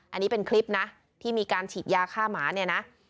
อันนี้เป็นคลิปนะที่มีการฉีดยาฆ่าหมาเนี่ยนะ